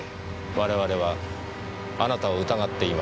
我々はあなたを疑っています。